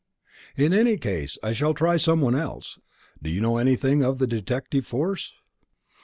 In any case, I shall try some one else. Do you know anything of the detective force?"